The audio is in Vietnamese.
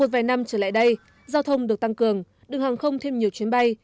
một vài năm trở lại đây giao thông được tăng cường đường hàng không thêm nhiều chuyến bay